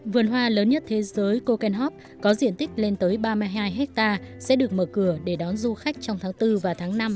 vườn hoa lớn nhất thế giới kokenhof có diện tích lên tới ba mươi hai hectare sẽ được mở cửa để đón du khách trong tháng bốn và tháng năm năm hai nghìn một mươi bảy